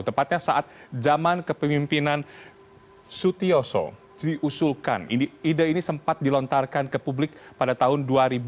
tepatnya saat zaman kepemimpinan sutioso diusulkan ide ini sempat dilontarkan ke publik pada tahun dua ribu dua